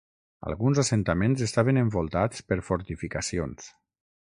Alguns assentaments estaven envoltats per fortificacions.